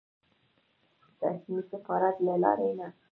رسمي سفارت له لارې نه.